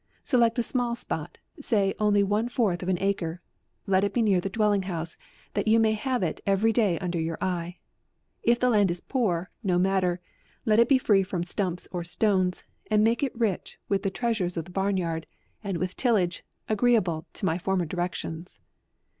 Select a small spot, say only one fourth of an acre, let it be near the dwelling house, that you may have it every day under your eye. If the land is poor, no matter, let it be free from stumps or stones, and make it rich with the treasures of the barn yard, and with tillage, agreeable to my former direc tions.